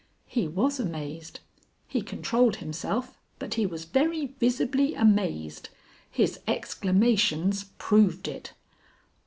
He was amazed. He controlled himself, but he was very visibly amazed. His exclamations proved it.